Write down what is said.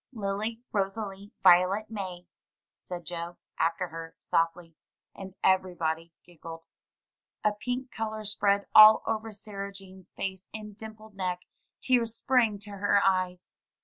"Lily Rosalie Violet May," said Joe, after her, softly. And everybody giggled. A pink color spread all over Sarah Jane's face and dimpled neck; tears sprang to her eyes.